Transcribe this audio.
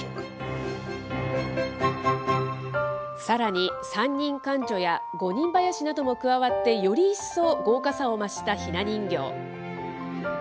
さらに、三人官女や五人ばやしなども加わって、より一層豪華さを増したひな人形。